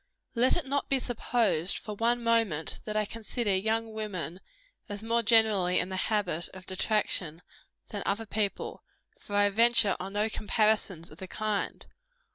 Let it not be supposed, for one moment, that I consider young women as more generally in the habit of detraction than other people; for I venture on no comparisons of the kind.